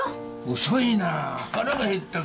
遅いな腹が減ったぞ